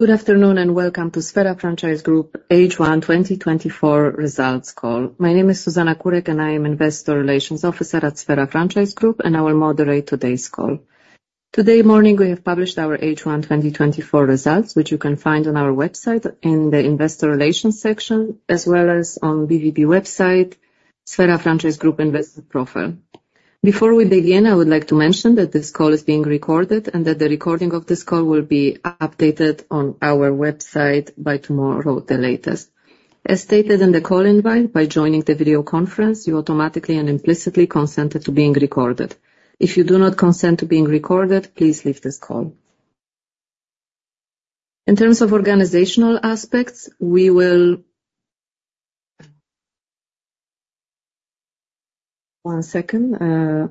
Good afternoon, and welcome to Sphera Franchise Group H1 2024 Results Call. My name is Zuzanna Kurek, and I am Investor Relations Officer at Sphera Franchise Group, and I will moderate today's call. Today morning, we have published our H1 2024 results, which you can find on our website in the Investor Relations section, as well as on BVB website, Sphera Franchise Group investor profile. Before we begin, I would like to mention that this call is being recorded and that the recording of this call will be updated on our website by tomorrow, the latest. As stated in the call invite, by joining the video conference, you automatically and implicitly consent it to being recorded. If you do not consent to being recorded, please leave this call. In terms of organizational aspects, we will... One second.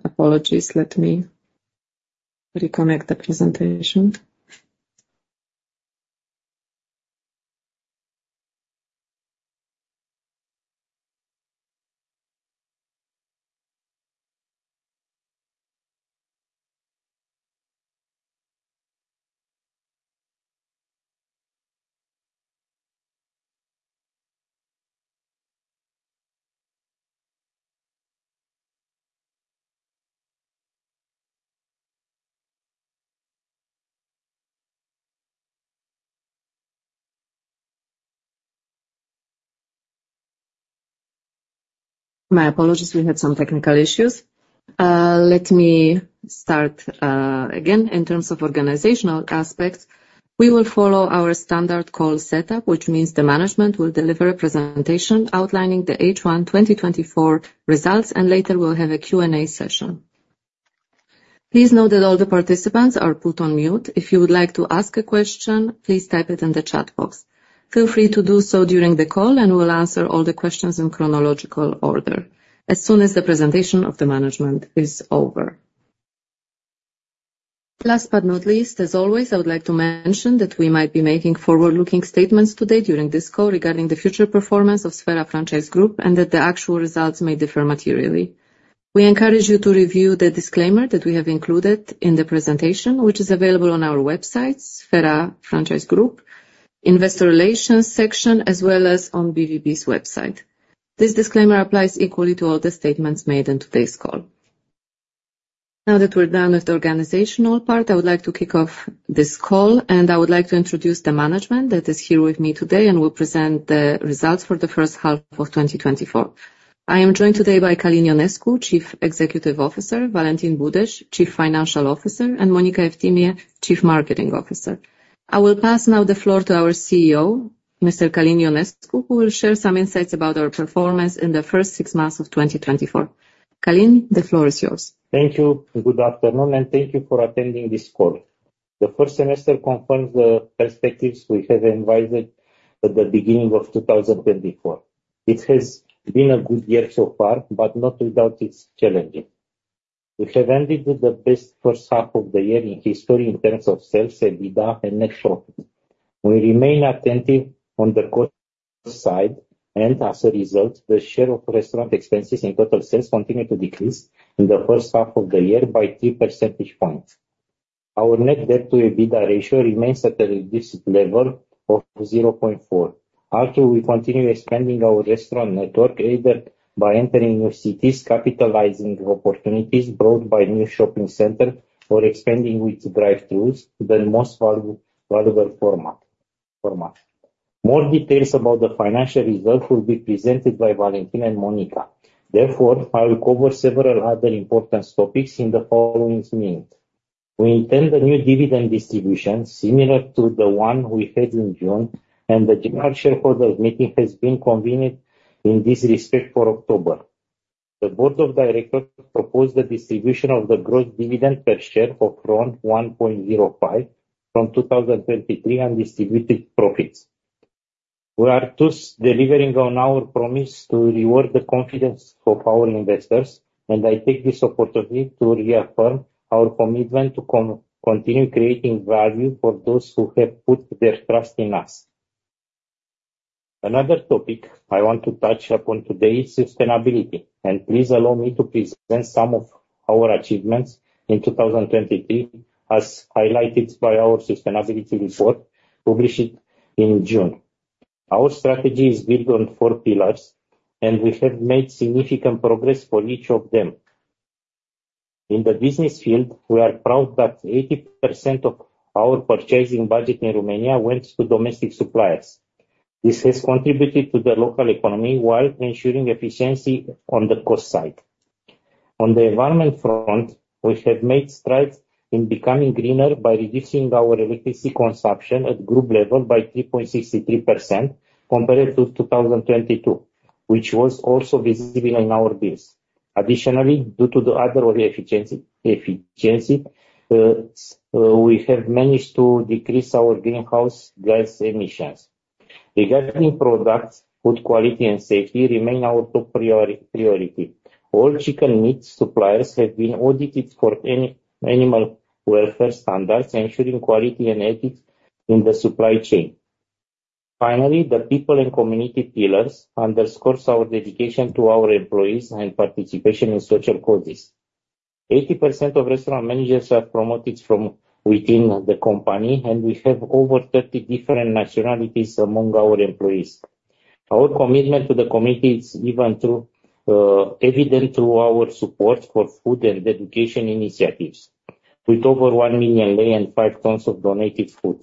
Apologies, let me reconnect the presentation. My apologies, we had some technical issues. Let me start again. In terms of organizational aspects, we will follow our standard call setup, which means the management will deliver a presentation outlining the H1 2024 results, and later we'll have a Q&A session. Please note that all the participants are put on mute. If you would like to ask a question, please type it in the chat box. Feel free to do so during the call, and we'll answer all the questions in chronological order as soon as the presentation of the management is over. Last but not least, as always, I would like to mention that we might be making forward-looking statements today during this call regarding the future performance of Sphera Franchise Group and that the actual results may differ materially. We encourage you to review the disclaimer that we have included in the presentation, which is available on our website, Sphera Franchise Group, Investor Relations section, as well as on BVB's website. This disclaimer applies equally to all the statements made in today's call. Now, that we're done with the organizational part, I would like to kick off this call, and I would like to introduce the management that is here with me today and will present the results for the H1 of 2024. I am joined today by Călin Ionescu, Chief Executive Officer, Valentin Budeş, Chief Financial Officer, and Monica Eftimie, Chief Marketing Officer. I will pass now the floor to our CEO, Mr. Călin Ionescu, who will share some insights about our performance in the first six months of 2024. Călin, the floor is yours. Thank you. Good afternoon, and thank you for attending this call. The first semester confirms the perspectives we have invited at the beginning of 2024. It has been a good year so far, but not without its challenges. We have ended with the best H1 of the year in history in terms of sales, EBITDA, and net profit. We remain attentive on the cost side, and as a result, the share of restaurant expenses in total sales continued to decrease in the H1 of the year by three percentage points. Our net debt to EBITDA ratio remains at the reduced level of 0.4. Also, we continue expanding our restaurant network, either by entering new cities, capitalizing on opportunities brought by new shopping centers, or expanding with drive-throughs, the most valuable format. More details about the financial results will be presented by Valentin and Monica. Therefore, I will cover several other important topics in the following minutes. We intend a new dividend distribution similar to the one we had in June, and the General Shareholders Meeting has been convened in this respect for October. The Board of Directors proposed the distribution of the growth dividend per share of RON 1.05 from 2023 undistributed profits. We are thus delivering on our promise to reward the confidence of our investors, and I take this opportunity to reaffirm our commitment to continue creating value for those who have put their trust in us. Another topic I want to touch upon today is sustainability, and please allow me to present some of our achievements in 2023, as highlighted by our sustainability report, published in June. Our strategy is built on four pillars, and we have made significant progress for each of them. In the business field, we are proud that 80% of our purchasing budget in Romania went to domestic suppliers. This has contributed to the local economy while ensuring efficiency on the cost side. On the environment front, we have made strides in becoming greener by reducing our electricity consumption at group level by 3.63% compared to 2022, which was also visible in our bills. Additionally, due to the other efficiency we have managed to decrease our greenhouse gas emissions. Regarding products, food quality and safety remain our top priority. All chicken meat suppliers have been audited for any animal welfare standards, ensuring quality and ethics in the supply chain. Finally, the people and community pillars underscores our dedication to our employees and participation in social causes. 80% of restaurant managers are promoted from within the company, and we have over 30 different nationalities among our employees. Our commitment to the community is evident through our support for food and education initiatives, with over 1 million lei and 5 tons of donated food.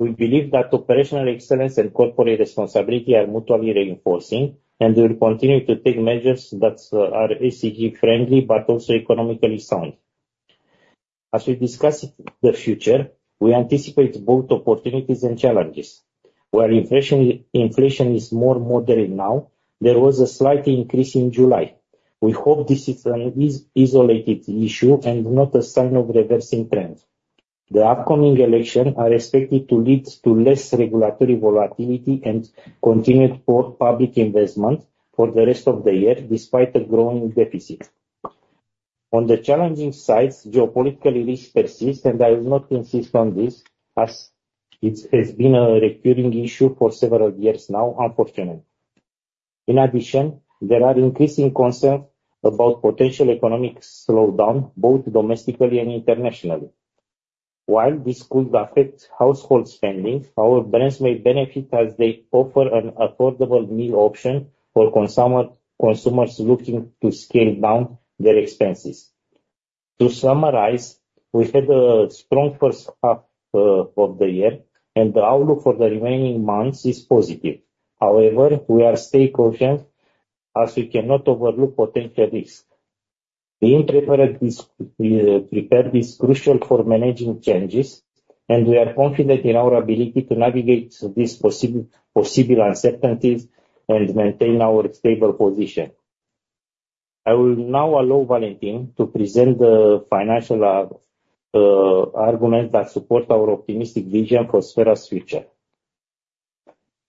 We believe that operational excellence and corporate responsibility are mutually reinforcing, and we will continue to take measures that are ESG friendly, but also economically sound. As we discuss the future, we anticipate both opportunities and challenges. While inflation is more moderate now, there was a slight increase in July. We hope this is an isolated issue and not a sign of reversing trends. The upcoming election are expected to lead to less regulatory volatility and continued poor public investment for the rest of the year, despite a growing deficit. On the challenging sides, geopolitical risk persists, and I will not insist on this, as it has been a recurring issue for several years now, unfortunately. In addition, there are increasing concerns about potential economic slowdown, both domestically and internationally. While this could affect household spending, our brands may benefit as they offer an affordable meal option for consumers looking to scale down their expenses. To summarize, we had a strong H1 of the year, and the outlook for the remaining months is positive. However, we are staying cautious, as we cannot overlook potential risks. Being prepared is crucial for managing changes, and we are confident in our ability to navigate these possible uncertainties and maintain our stable position. I will now allow Valentin to present the financial argument that support our optimistic vision for a successful future.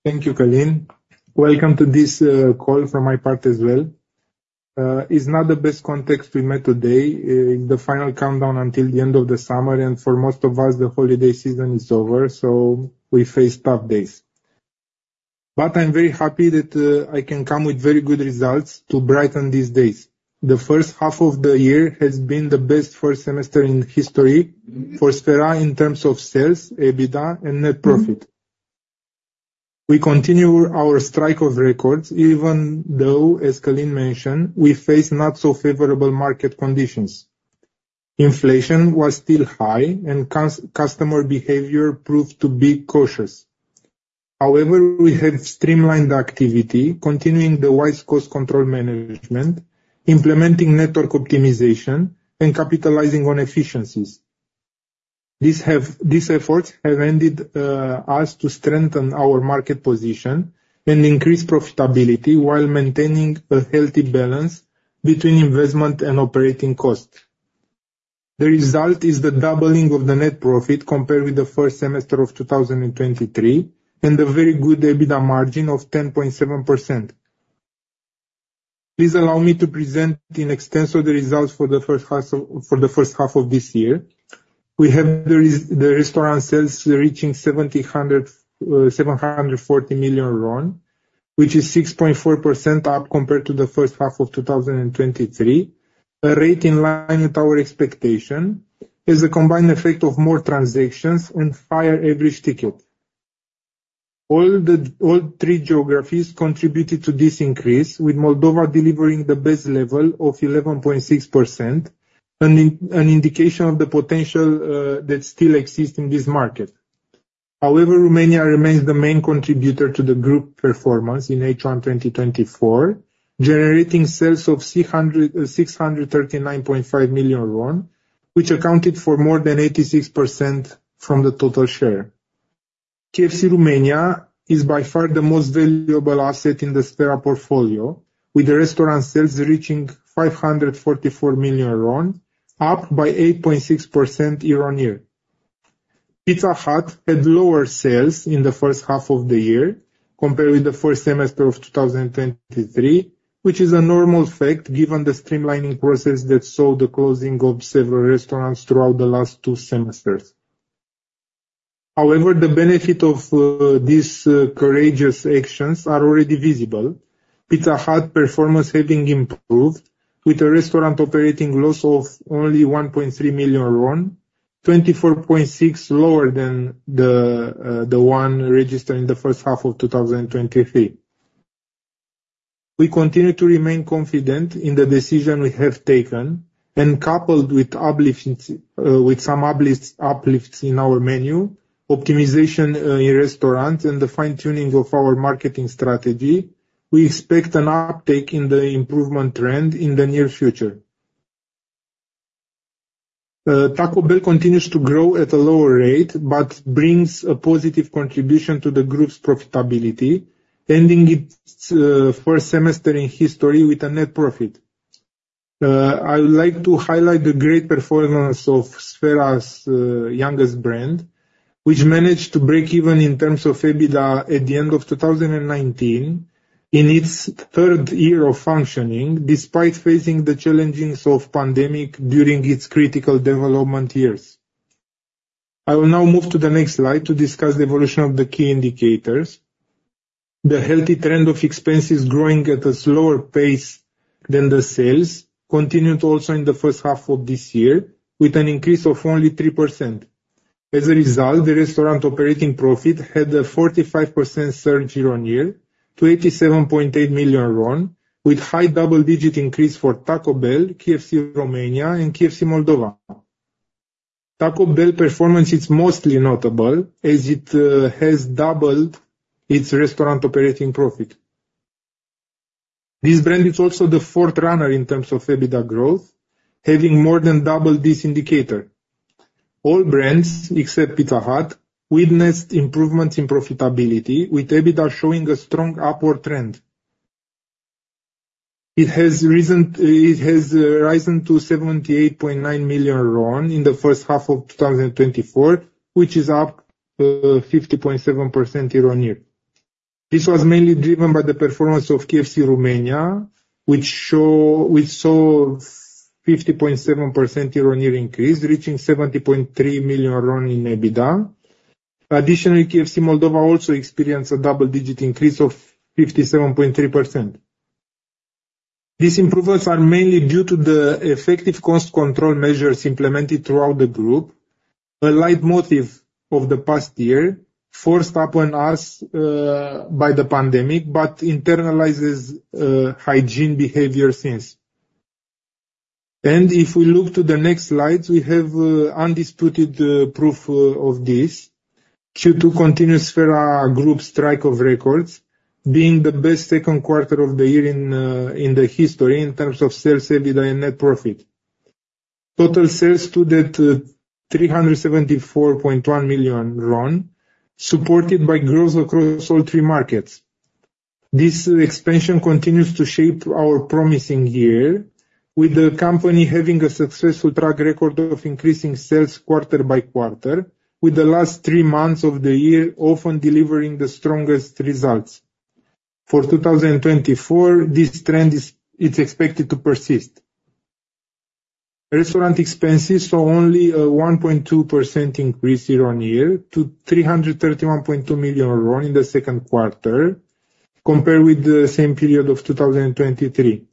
Thank you, Călin. Welcome to this call from my part as well. It's not the best context we met today in the final countdown until the end of the summer, and for most of us, the holiday season is over, so we face tough days. But I'm very happy that I can come with very good results to brighten these days. The H1 of the year has been the best first semester in history for Sphera in terms of sales, EBITDA, and net profit. We continue our strike of records, even though, as Călin mentioned, we face not so favorable market conditions. Inflation was still high, and customer behavior proved to be cautious. However, we have streamlined activity, continuing the wise cost control management, implementing network optimization, and capitalizing on efficiencies. These efforts have enabled us to strengthen our market position and increase profitability while maintaining a healthy balance between investment and operating costs. The result is the doubling of the net profit compared with the first semester of 2023, and a very good EBITDA margin of 10.7%. Please allow me to present extensively the results for the H1 of this year. We have the restaurant sales reaching 740 million RON, which is 6.4% up compared to H1 of 2023, a rate in line with our expectation. It is a combined effect of more transactions and higher average ticket. All three geographies contributed to this increase, with Moldova delivering the best level of 11.6%, an indication of the potential that still exists in this market. However, Romania remains the main contributor to the group performance in H1 2024, generating sales of 639.5 million RON, which accounted for more than 86% from the total share. KFC Romania is by far the most valuable asset in the Sphera portfolio, with the restaurant sales reaching 544 million RON, up by 8.6% year on year. Pizza Hut had lower sales in the H1 of the year compared with the first semester of 2023, which is a normal fact, given the streamlining process that saw the closing of several restaurants throughout the last two semesters. However, the benefit of these courageous actions are already visible, Pizza Hut performance having improved, with a restaurant operating loss of only 1.3 million RON, 24.6 lower than the one registered in H1 of 2023. We continue to remain confident in the decision we have taken, and coupled with some uplifts in our menu, optimization in restaurants, and the fine-tuning of our marketing strategy, we expect an uptake in the improvement trend in the near future. Taco Bell continues to grow at a lower rate, but brings a positive contribution to the group's profitability, ending its first semester in history with a net profit. I would like to highlight the great performance of Sphera's youngest brand, which managed to break even in terms of EBITDA at the end of 2019 in its third year of functioning, despite facing the challenges of pandemic during its critical development years. I will now move to the next slide to discuss the evolution of the key indicators. The healthy trend of expenses growing at a slower pace than the sales continued also in the H1 of this year, with an increase of only 3%. As a result, the restaurant operating profit had a 45% surge year-on-year to RON 87.8 million, with high double-digit increase for Taco Bell, KFC Romania, and KFC Moldova. Taco Bell performance is mostly notable, as it has doubled its restaurant operating profit. This brand is also the fourth runner in terms of EBITDA growth, having more than doubled this indicator. All brands, except Pizza Hut, witnessed improvements in profitability, with EBITDA showing a strong upward trend. It has risen to 78.9 million RON in the H1 of 2024, which is up 50.7% year-on-year. This was mainly driven by the performance of KFC Romania, which we saw 50.7% year-on-year increase, reaching 70.3 million RON in EBITDA. Additionally, KFC Moldova also experienced a double-digit increase of 57.3%. These improvements are mainly due to the effective cost control measures implemented throughout the group, a leitmotif of the past year, forced upon us by the pandemic, but internalizes hygiene behavior since. And if we look to the next slide, we have undisputed proof of this. Q2 continued for our group streak of records, being the best Q2 of the year in the history in terms of sales, EBITDA, and net profit. Total sales stood at RON 374.1 million, supported by growth across all three markets. This expansion continues to shape our promising year, with the company having a successful track record of increasing sales quarter by quarter, with the last three months of the year often delivering the strongest results. For 2024, this trend is expected to persist. Restaurant expenses saw only a 1.2% increase year-on-year to RON 331.2 million in Q2, compared with the same period of 2023.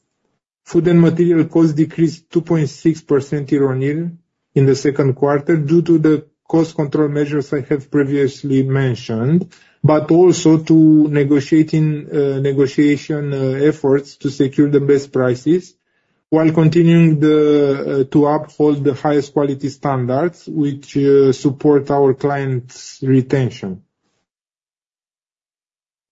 Food and material costs decreased 2.6% year-on-year in Q2, due to the cost control measures I have previously mentioned, but also to negotiation efforts to secure the best prices, while continuing to uphold the highest quality standards, which support our clients' retention.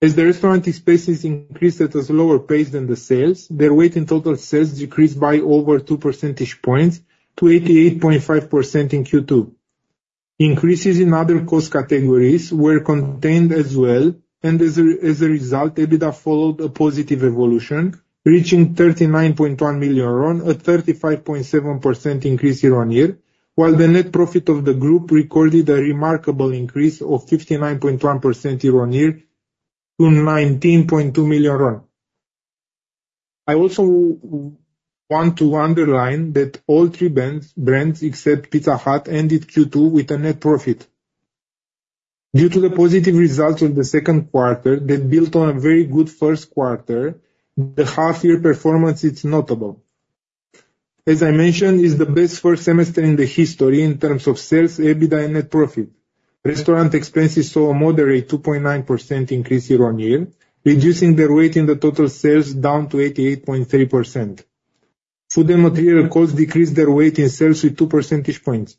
As the restaurant spaces increased at a slower pace than the sales, their weight in total sales decreased by over two percentage points to 88.5% in Q2. Increases in other cost categories were contained as well, and as a result, EBITDA followed a positive evolution, reaching 39.1 million RON, a 35.7% increase year-on-year, while the net profit of the group recorded a remarkable increase of 59.1% year-on-year to 19.2 million RON. I also want to underline that all three brands except Pizza Hut ended Q2 with a net profit. Due to the positive results of Q2 that built on a very good Q1, the half year performance is notable. As I mentioned, it's the best first semester in the history in terms of sales, EBITDA, and net profit. Restaurant expenses saw a moderate 2.9% increase year-on-year, reducing their weight in the total sales down to 88.3%. Food and material costs decreased their weight in sales with two percentage points.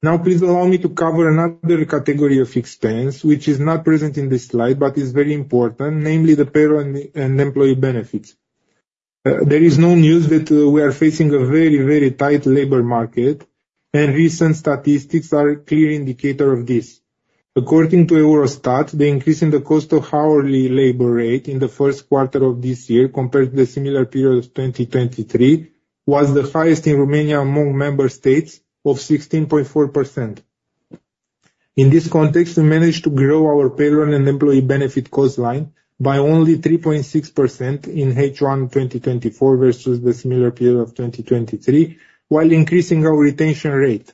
Now, please allow me to cover another category of expense, which is not present in this slide, but is very important, namely, the payroll and employee benefits. There is no news that we are facing a very, very tight labor market, and recent statistics are a clear indicator of this. According to Eurostat, the increase in the cost of hourly labor rate in the Q1 of this year, compared to the similar period of 2023, was the highest in Romania among member states of 16.4%. In this context, we managed to grow our payroll and employee benefit cost line by only 3.6% in H1 2024 versus the similar period of 2023, while increasing our retention rate.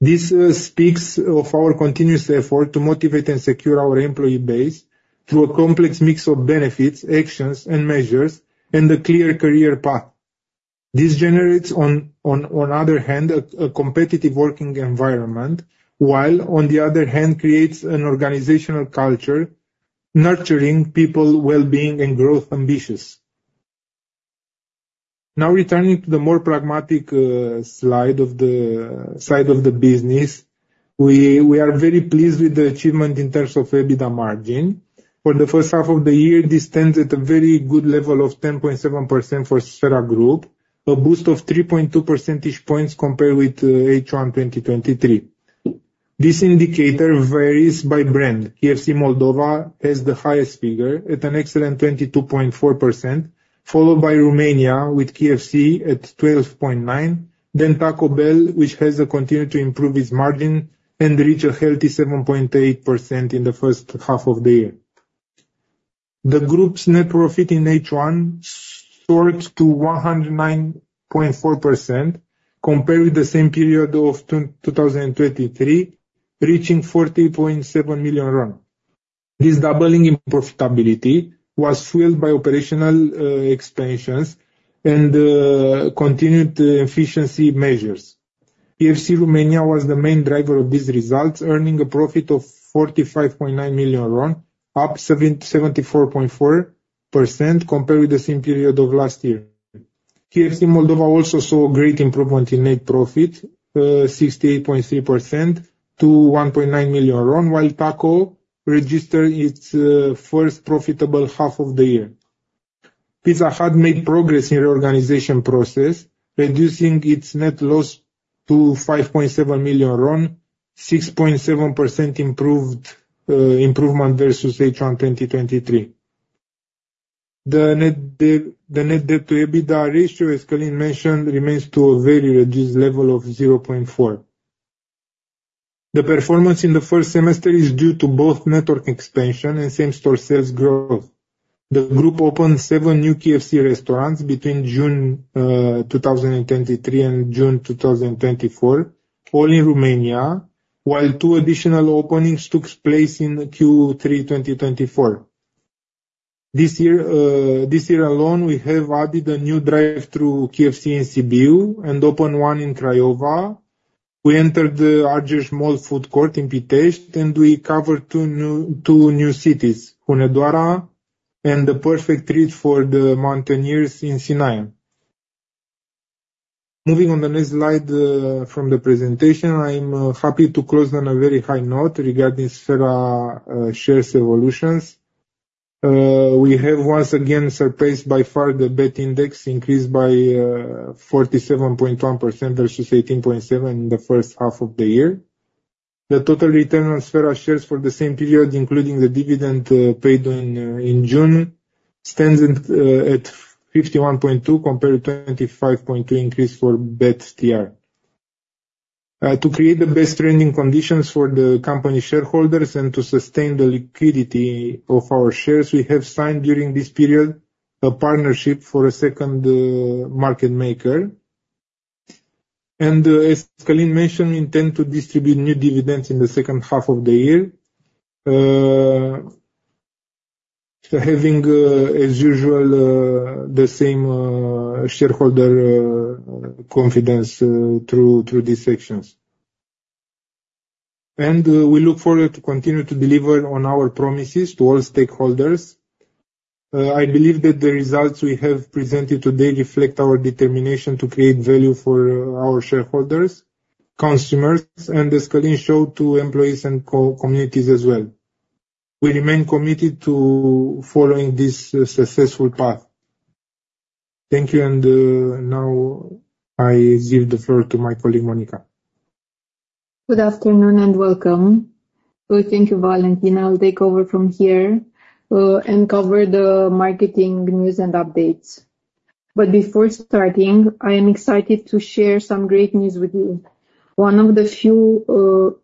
This speaks of our continuous effort to motivate and secure our employee base through a complex mix of benefits, actions, and measures, and a clear career path. This generates on the one hand a competitive working environment, while on the other hand creates an organizational culture, nurturing people wellbeing and growth ambitions. Now, returning to the more pragmatic side of the business, we are very pleased with the achievement in terms of EBITDA margin. For H1 of the year, this stands at a very good level of 10.7% for Sphera Group, a boost of 3.2 percentage points compared with H1 2023. This indicator varies by brand. KFC Moldova has the highest figure at an excellent 22.4%, followed by Romania, with KFC at 12.9%, then Taco Bell, which has continued to improve its margin and reach a healthy 7.8% in the H1 of the year. The group's net profit in H1 soared to 109.4% compared with the same period of 2023, reaching 40.7 million RON. This doubling in profitability was fueled by operational expansions and continued efficiency measures. KFC Romania was the main driver of these results, earning a profit of 45.9 million RON, up 74.4% compared with the same period of last year. KFC Moldova also saw a great improvement in net profit, 68.3% to 1.9 million RON, while Taco registered its first profitable half of the year. Pizza Hut made progress in reorganization process, reducing its net loss to 5.7 million RON, 6.7% improvement versus H1, 2023. The net debt to EBITDA ratio, as Călin mentioned, remains to a very reduced level of 0.4. The performance in the first semester is due to both network expansion and same-store sales growth. The group opened seven new KFC restaurants between June 2023 and June 2024, all in Romania, while two additional openings took place in Q3 2024. This year alone, we have added a new drive-through KFC in Sibiu and opened one in Craiova. We entered the larger small food court in Pitești, and we covered two new cities, Hunedoara, and the perfect treat for the mountaineers in Sinaia. Moving on the next slide from the presentation, I'm happy to close on a very high note regarding Sphera shares evolutions. We have once again surpassed by far the BET Index increased by 47.1% versus 18.7% in the H1 of the year. The total return on Sphera shares for the same period, including the dividend paid in June, stands at 51.2% compared to 25.2% increase for BET-TR. To create the best trading conditions for the company shareholders and to sustain the liquidity of our shares, we have signed during this period a partnership for a second market maker. And, as Călin mentioned, we intend to distribute new dividends in the H2 of the year. So having, as usual, the same shareholder confidence through these actions. And, we look forward to continue to deliver on our promises to all stakeholders. I believe that the results we have presented today reflect our determination to create value for our shareholders, consumers, and as Călin showed, to employees and communities as well. We remain committed to following this successful path. Thank you, and now I give the floor to my colleague, Monica. Good afternoon, and welcome. Well, thank you, Valentin. I'll take over from here, and cover the marketing news and updates. But before starting, I am excited to share some great news with you. One of the few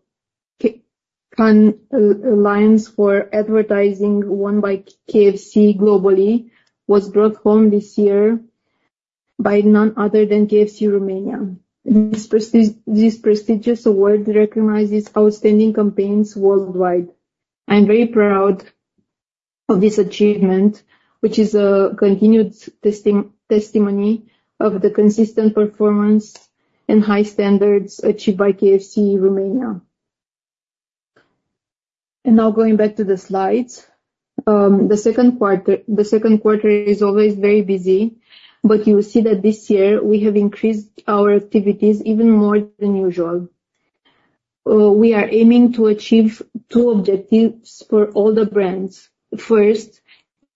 Cannes Lions for advertising won by KFC globally was brought home this year by none other than KFC Romania. This prestigious award recognizes outstanding campaigns worldwide. I'm very proud of this achievement, which is a continued testimony of the consistent performance and high standards achieved by KFC Romania. Now going back to the slides, Q2 is always very busy, but you will see that this year we have increased our activities even more than usual. We are aiming to achieve two objectives for all the brands. First,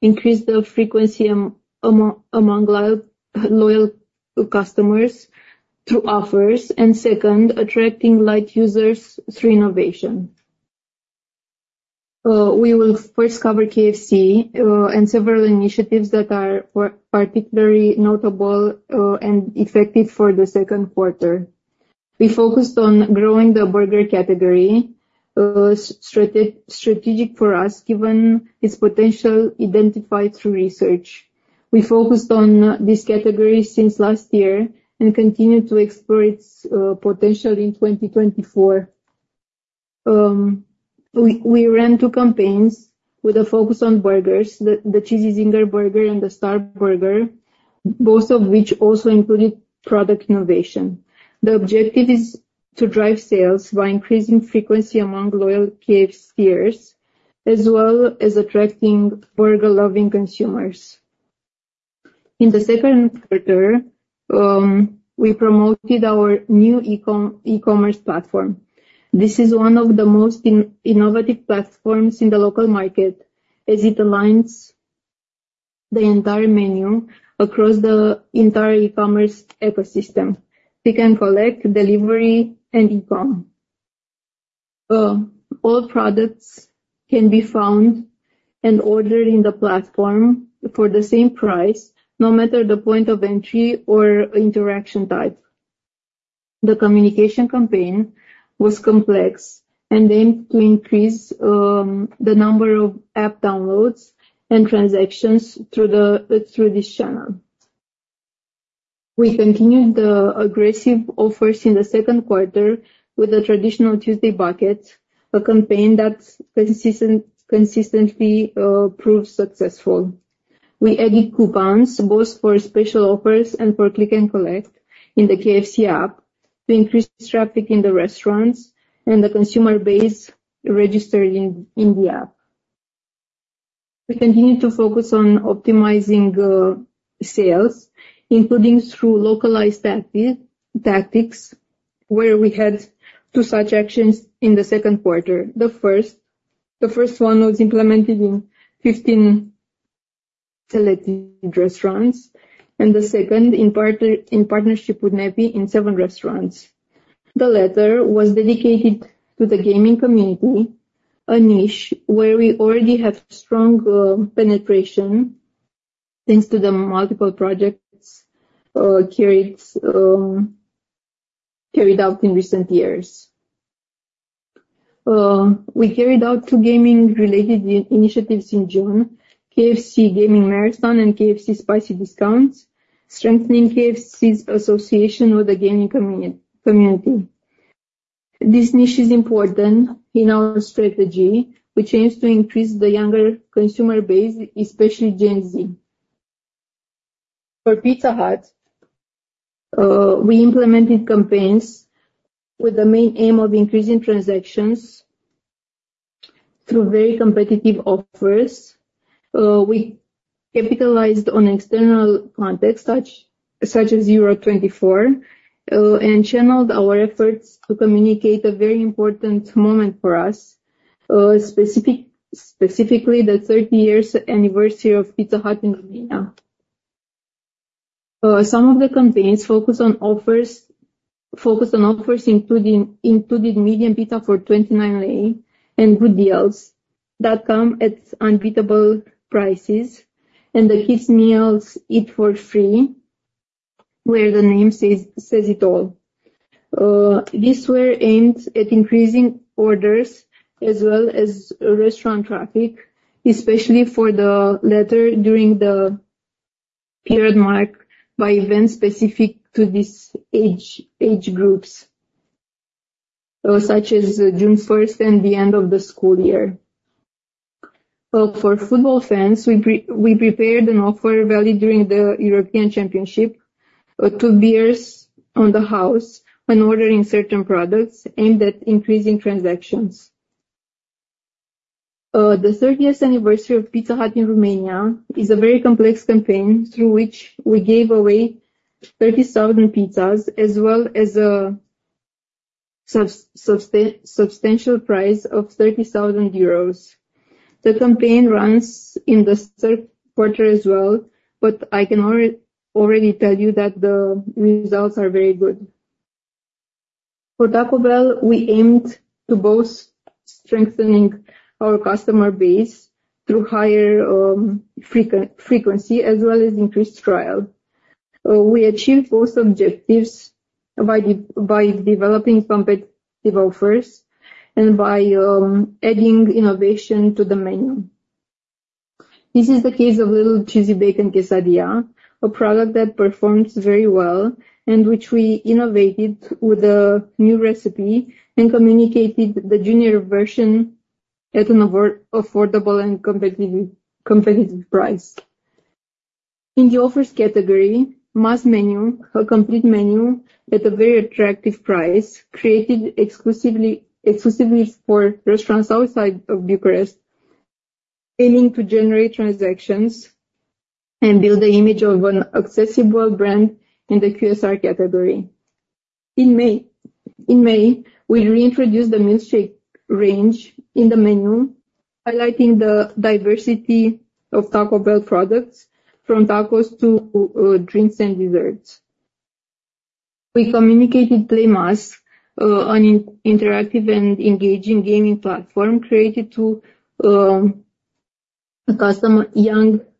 increase the frequency among loyal customers through offers, and second, attracting light users through innovation. We will first cover KFC, and several initiatives that are particularly notable, and effective for Q2. We focused on growing the burger category, strategic for us, given its potential identified through research. We focused on this category since last year and continued to explore its potential in 2024. We ran two campaigns with a focus on burgers, the Cheesy Zinger Burger and the Star Burger, both of which also included product innovation. The objective is to drive sales by increasing frequency among loyal KFCers, as well as attracting burger-loving consumers. In the Q2, we promoted our new e-commerce platform. This is one of the most innovative platforms in the local market, as it aligns the entire menu across the entire e-commerce ecosystem. Click and collect, delivery, and e-com, all products can be found and ordered in the platform for the same price, no matter the point of entry or interaction type. The communication campaign was complex and aimed to increase the number of app downloads and transactions through this channel. We continued the aggressive offers in Q2 with a traditional Tuesday Bucket, a campaign that's consistently proved successful. We added coupons, both for special offers and for click and collect in the KFC App, to increase traffic in the restaurants and the consumer base registered in the app. We continue to focus on optimizing sales, including through localized tactics, where we had two such actions in Q2. The first one was implemented in 15 selected restaurants, and the second, in partnership with Nexus in seven restaurants. The latter was dedicated to the gaming community, a niche where we already have strong penetration, thanks to the multiple projects carried out in recent years. We carried out two gaming related initiatives in June: KFC Gaming Marathon and KFC Spicy Discounts, strengthening KFC's association with the gaming community. This niche is important in our strategy, which aims to increase the younger consumer base, especially Gen Z. For Pizza Hut, we implemented campaigns with the main aim of increasing transactions through very competitive offers. We capitalized on external context, such as EURO 2024, and channeled our efforts to communicate a very important moment for us, specifically the 30th anniversary of Pizza Hut in Romania. Some of the campaigns focus on offers, including medium pizza for 29 RON and good deals that come at unbeatable prices, and the kids' meals eat for free, where the name says it all. These were aimed at increasing orders as well as restaurant traffic, especially for the latter, during the period marked by events specific to these age groups, such as June first and the end of the school year. For football fans, we prepared an offer valid during the European Championship, two beers on the house when ordering certain products aimed at increasing transactions. The 30th anniversary of Pizza Hut in Romania is a very complex campaign through which we gave away 30,000 pizzas, as well as a substantial prize of 30,000 euros. The campaign runs in the third quarter as well, but I can already tell you that the results are very good. For Taco Bell, we aimed to both strengthening our customer base through higher frequency as well as increased trial. We achieved both objectives by developing competitive offers and by adding innovation to the menu. This is the case of Little Cheesy Bacon Quesadilla, a product that performs very well, and which we innovated with a new recipe and communicated the junior version at an affordable and competitive price. In the offers category, Must Menu, a complete menu at a very attractive price, created exclusively for restaurants outside of Bucharest, aiming to generate transactions and build the image of an accessible brand in the QSR category. In May, we reintroduced the milkshake range in the menu, highlighting the diversity of Taco Bell products, from tacos to drinks and desserts. We communicated Play Más, an interactive and engaging gaming platform created to young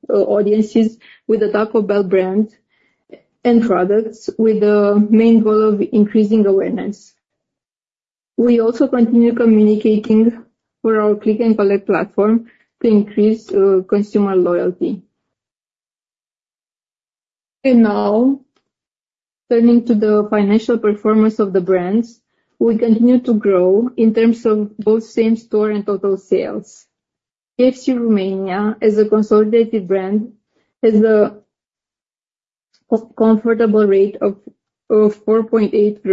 audiences with the Taco Bell brand and products, with the main goal of increasing awareness. We also continue communicating for our click and collect platform to increase consumer loyalty. And now, turning to the financial performance of the brands, we continue to grow in terms of both same store and total sales. KFC Romania, as a consolidated brand, has a comfortable rate of 4.8%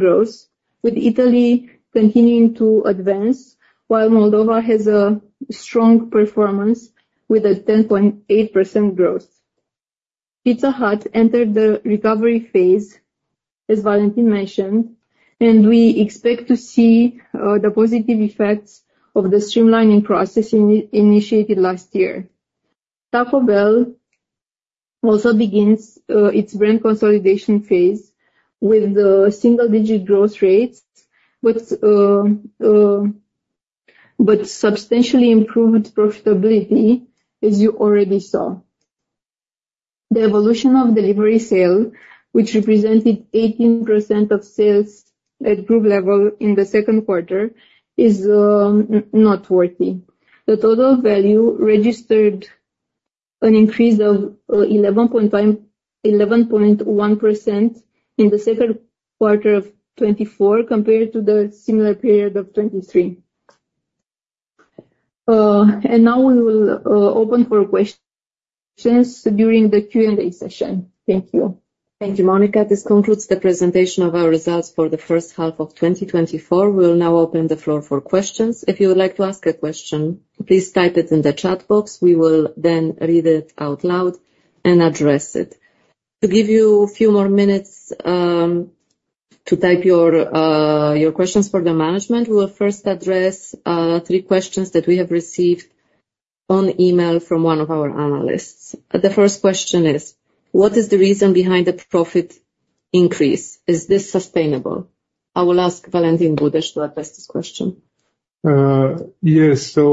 growth, with Italy continuing to advance, while Moldova has a strong performance with a 10.8% growth. Pizza Hut entered the recovery phase, as Valentin mentioned, and we expect to see the positive effects of the streamlining process initiated last year. Taco Bell also begins its brand consolidation phase with the single-digit growth rates, but substantially improved profitability, as you already saw. The evolution of delivery sales, which represented 18% of sales at group level in the Q2, is noteworthy. The total value registered an increase of 11.1% in the Q2 of 2024, compared to the similar period of 2023. Now we will open for questions during the Q&A session. Thank you. Thank you, Monica. This concludes the presentation of our results for H1 of 2024. We will now open the floor for questions. If you would like to ask a question, please type it in the chat box. We will then read it out loud and address it. To give you a few more minutes, to type your questions for the management, we will first address three questions that we have received on email from one of our analysts. The first question is: What is the reason behind the profit increase? Is this sustainable? I will ask Valentin Budeş to address this question. Yes. So,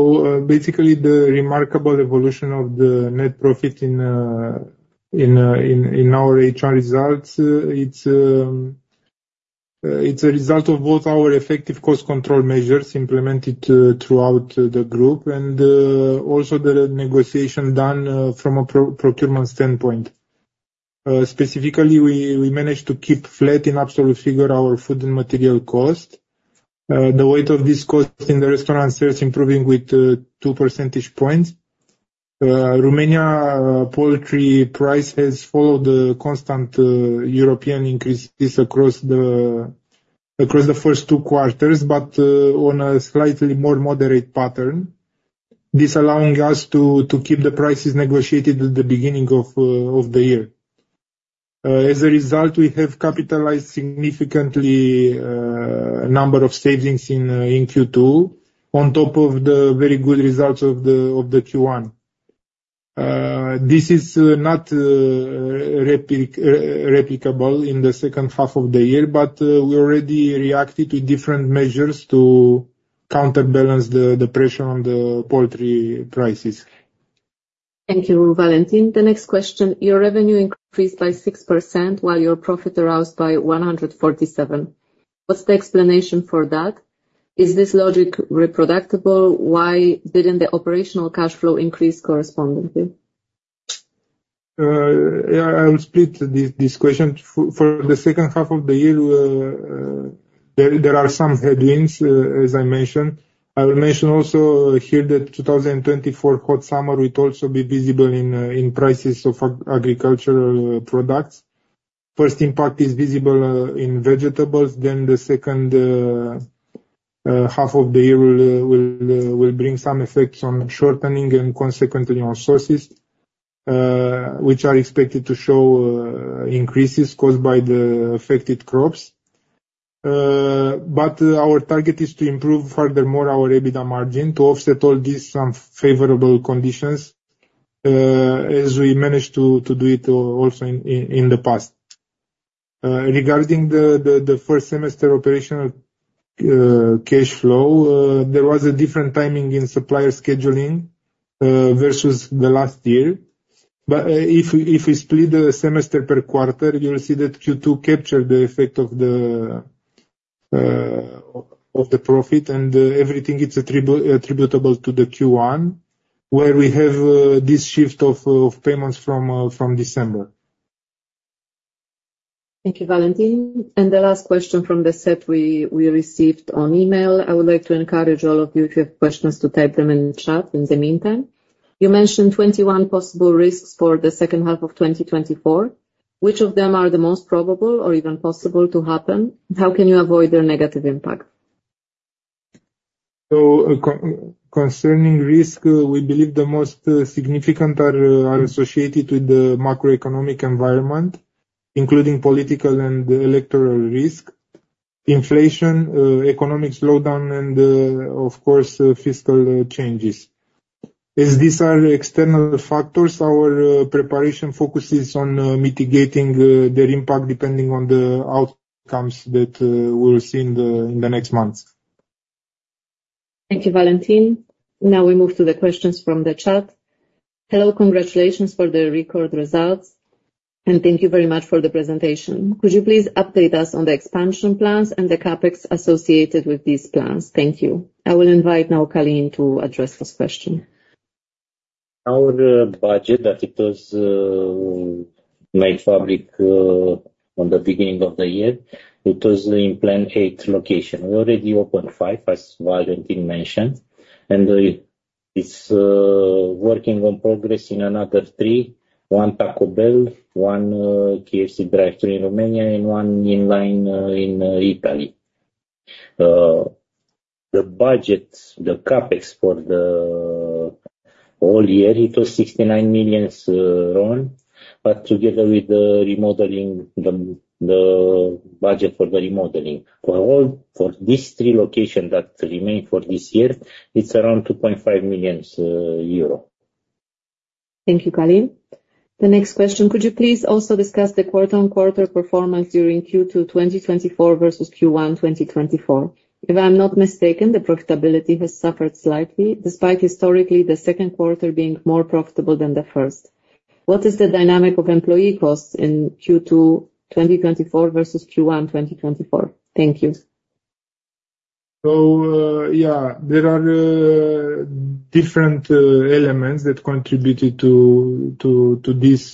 basically, the remarkable evolution of the net profit in our H1 results, it's a result of both our effective cost control measures implemented throughout the group, and also the negotiation done from a procurement standpoint. Specifically, we managed to keep flat in absolute figure our food and material cost. The weight of this cost in the restaurant starts improving with two percentage points. Romania poultry price has followed the constant European increases across the first two quarters, but on a slightly more moderate pattern. This allowing us to keep the prices negotiated at the beginning of the year. As a result, we have capitalized significantly number of savings in Q2, on top of the very good results of Q1. This is not replicable in H2 of the year, but we already reacted with different measures to counterbalance the pressure on the poultry prices. Thank you, Valentin. The next question: Your revenue increased by 6%, while your profit rose by 147%. What's the explanation for that? Is this logic reproducible? Why didn't the operational cash flow increase correspondingly? Yeah, I will split this question. For H2 of the year, there are some headwinds, as I mentioned. I will mention also here that 2024 hot summer will also be visible in prices of agricultural products. First impact is visible in vegetables, then the H2 of the year will bring some effects on shortening and consequently on sources, which are expected to show increases caused by the affected crops. But our target is to improve furthermore our EBITDA margin to offset all these unfavorable conditions, as we managed to do it also in the past. Regarding the first semester operational cash flow, there was a different timing in supplier scheduling versus the last year. If we split the semester per quarter, you will see that Q2 captured the effect of the profit, and everything is attributable to Q1, where we have this shift of payments from December. Thank you, Valentin. And the last question from the set we received on email. I would like to encourage all of you, if you have questions, to type them in the chat in the meantime. You mentioned the possible risks for H2 of 2024. Which of them are the most probable or even possible to happen? How can you avoid their negative impact? So concerning risk, we believe the most significant are associated with the macroeconomic environment, including political and electoral risk, inflation, economic slowdown, and of course, fiscal changes. As these are external factors, our preparation focuses on mitigating their impact, depending on the outcomes that we will see in the next months. Thank you, Valentin. Now we move to the questions from the chat. Hello, congratulations for the record results, and thank you very much for the presentation. Could you please update us on the expansion plans and the CapEx associated with these plans? Thank you. I will invite now Călin to address this question. Our budget that it was made public on the beginning of the year, it was in plan eight locations. We already opened five, as Valentin mentioned, and it's working on progress in another three: one Taco Bell, one KFC drive-thru in Romania, and one in line in Italy. The budget, the CapEx for all year, it was 69 million RON, but together with the remodeling, the budget for the remodeling. For all for these three locations that remain for this year, it's around 2.5 million euro. Thank you, Călin. The next question: could you please also discuss the quarter-on-quarter performance during Q2 2024 versus Q1 2024? If I'm not mistaken, the profitability has suffered slightly, despite historically, the Q2 being more profitable than the first. What is the dynamic of employee costs in Q2 2024 versus Q1 2024? Thank you. There are different elements that contributed to this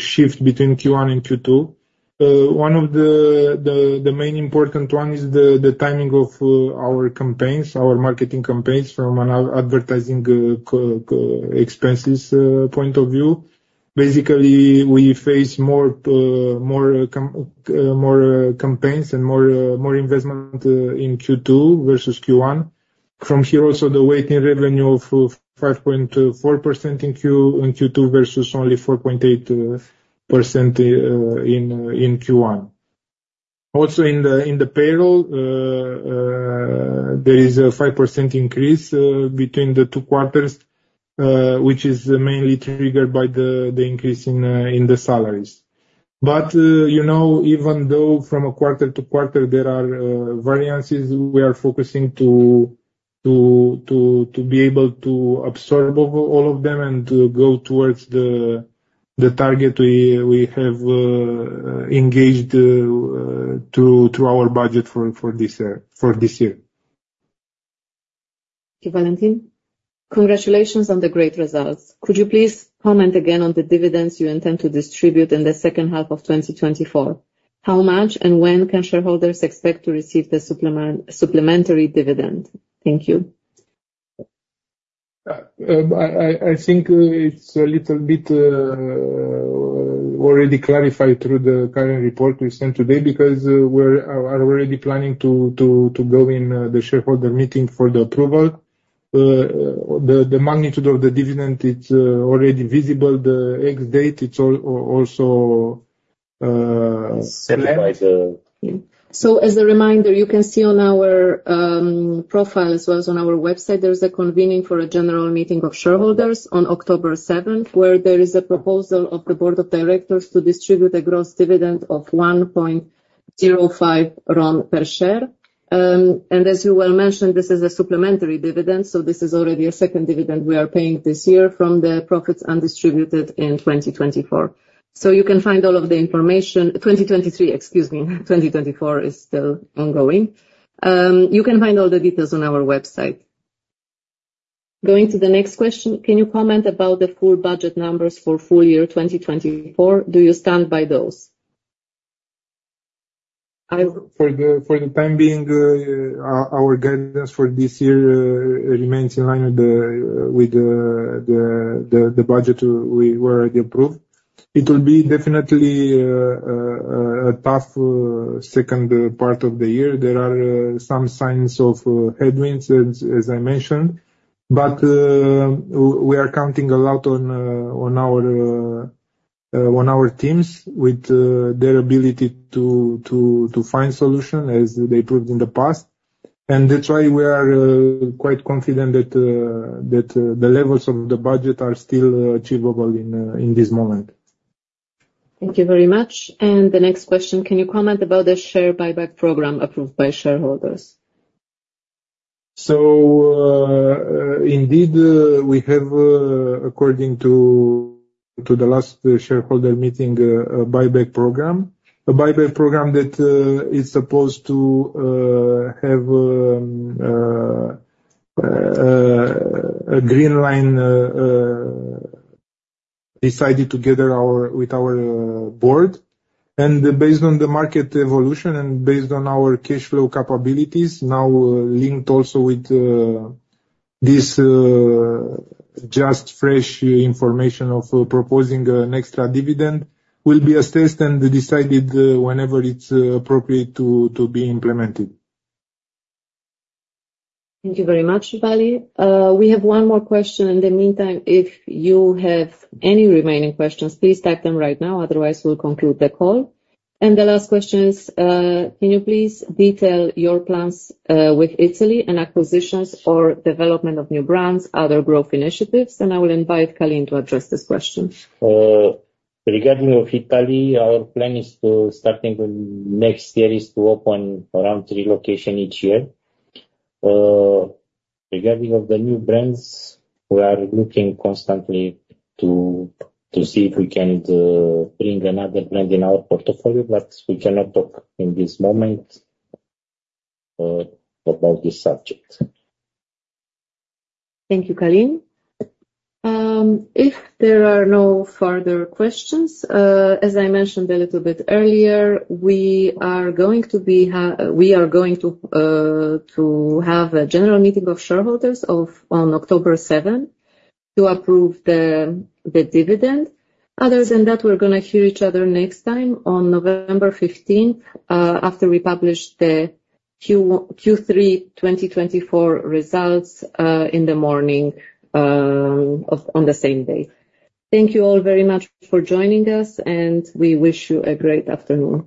shift between Q1 and Q2. One of the main important one is the timing of our campaigns, our marketing campaigns, from an advertising campaign expenses point of view. Basically, we face more campaigns and more investment in Q2 versus Q1. From here, also, the weighted revenue of 5.4% in Q2 versus only 4.8% in Q1. Also in the payroll, there is a 5% increase between the two quarters, which is mainly triggered by the increase in the salaries. But, you know, even though from a quarter to quarter there are variances, we are focusing to be able to absorb all of them and to go towards the target we have engaged to our budget for this year. Thank you, Valentin. Congratulations on the great results. Could you please comment again on the dividends you intend to distribute in H2 of 2024? How much, and when can shareholders expect to receive the supplementary dividend? Thank you. I think it's a little bit already clarified through the current report we sent today, because we are already planning to go in the shareholder meeting for the approval. The magnitude of the dividend, it's already visible. The ex-date, it's also... Set by the. Mm-hmm. So as a reminder, you can see on our profile, as well as on our website, there's a convening for a general meeting of shareholders on October 7, where there is a proposal of the board of directors to distribute a gross dividend of 1.05 RON per share. And as you well mentioned, this is a supplementary dividend, so this is already a second dividend we are paying this year from the profits undistributed in 2024. 2023, excuse me. 2024 is still ongoing. You can find all the details on our website. Going to the next question, can you comment about the full budget numbers for full year 2024? Do you stand by those? For the time being, our guidance for this year remains in line with the budget we were already approved. It will be definitely a tough second part of the year. There are some signs of headwinds, as I mentioned, but we are counting a lot on our teams with their ability to find solution, as they proved in the past. And that's why we are quite confident that the levels of the budget are still achievable in this moment. Thank you very much. And the next question: can you comment about the share buyback program approved by shareholders? Indeed, we have, according to the last shareholder meeting, a buyback program. A buyback program that is supposed to have a green light decided together with our board, and based on the market evolution and based on our cash flow capabilities, now linked also with this just fresh information of proposing an extra dividend, will be assessed and decided whenever it's appropriate to be implemented. Thank you very much, Vali. We have one more question. In the meantime, if you have any remaining questions, please type them right now, otherwise, we'll conclude the call. And the last question is: can you please detail your plans with Italy and acquisitions or development of new brands, other growth initiatives? And I will invite Călin to address this question. Regarding of Italy, our plan is to, starting with next year, is to open around three location each year. Regarding of the new brands, we are looking constantly to see if we can bring another brand in our portfolio, but we cannot talk in this moment about this subject. Thank you, Călin. If there are no further questions, as I mentioned a little bit earlier, we are going to have a general meeting of shareholders on October 7 to approve the dividend. Other than that, we're gonna hear each other next time on November 15 after we publish the Q3 2024 results in the morning on the same day. Thank you all very much for joining us, and we wish you a great afternoon.